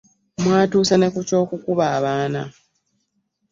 Mwatuuse ne ku ky'okukuba abaana?